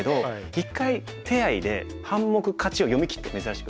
一回手合で半目勝ちを読みきって珍しく。